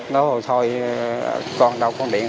nói thôi con đâu con điện